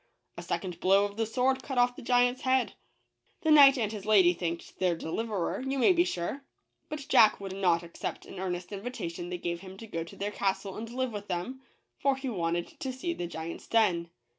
A second blow of the sword cut off the giant's head. The and his lady thanked their deliverer, you may be sure; but Jack would not accept an earnest invitation they gave him to go to their castle and live with them, for he wanted to see the giant's den.